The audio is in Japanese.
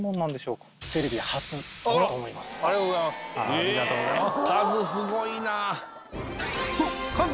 ありがとうございます。